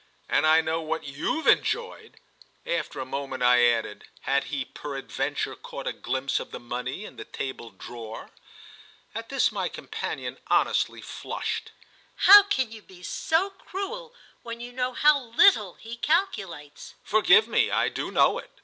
"And I know what you've enjoyed." After a moment I added: "Had he peradventure caught a glimpse of the money in the table drawer?" At this my companion honestly flushed. "How can you be so cruel when you know how little he calculates?" "Forgive me, I do know it.